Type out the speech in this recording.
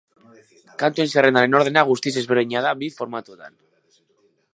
Kantuen zerrendaren ordena guztiz ezberdina da bi formatuetan.